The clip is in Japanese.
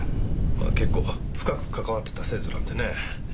まあ結構深く関わってた制度なんでね。